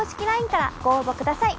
ＬＩＮＥからご応募ください。